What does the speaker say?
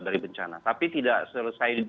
dari bencana tapi tidak selesai